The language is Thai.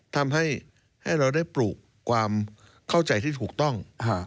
ทำให้เราได้ปลูกความเข้าใจที่ถูกต้อง